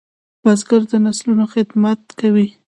بزګر د نسلونو خدمت کوي